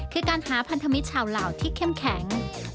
คือการหาพันธมิตรชาวลาวที่เข้มแข็ง